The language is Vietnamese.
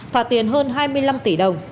phạt tiền hơn hai mươi năm tỷ đồng